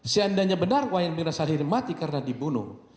seandainya benar wayamirna salihin mati karena dibunuh